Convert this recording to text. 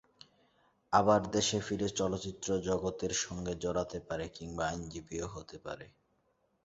আবার দেশে ফিরে চলচ্চিত্র জগতের সঙ্গে জড়াতে পারে কিংবা আইনজীবীও হতে পারে।